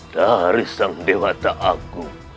dari sang dewata aku